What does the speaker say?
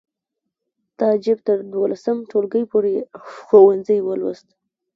تعجب تر دولسم ټولګي پورې ښوونځی ولوست